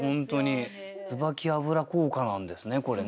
椿油効果なんですねこれね。